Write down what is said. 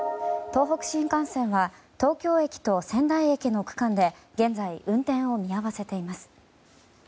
東北新幹線は東京駅と仙台駅の区間で現在、運転を見合わせています。